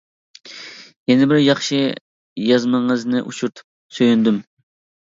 يەنە بىر ياخشى يازمىڭىزنى ئۇچرىتىپ سۆيۈندۈم.